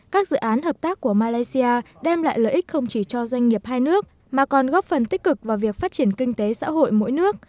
các dự án hợp tác của malaysia đem lại lợi ích không chỉ cho doanh nghiệp hai nước mà còn góp phần tích cực vào việc phát triển kinh tế xã hội mỗi nước